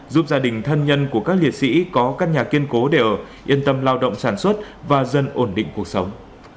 giúp gia đình thân nhân của các liệt sĩ có căn nhà kiên cố để ở yên tâm lao động sản xuất và dân ổn định cuộc sống